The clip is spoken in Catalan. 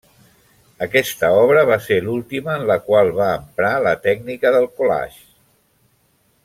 Aquesta obra va ser l'última en la qual va emprar la tècnica del collage.